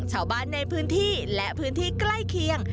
ชาวบ้านในพื้นที่และพื้นที่ใกล้เคียง